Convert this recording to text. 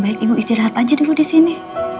sebaiknya ibu istirahat aja dulu disini